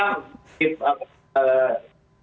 ya karena sekarang